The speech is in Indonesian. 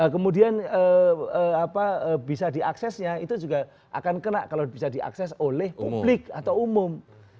kemudian bisa diaksesnya itu juga akan kena kalau bisa diakses oleh publik atau umum